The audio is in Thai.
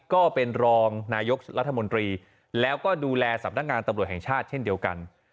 ก็เป็นรองนายกรัฐมนตรีแล้วก็ดูแลสำนักงานตำรวจแห่งชาติเช่นเดียวกัน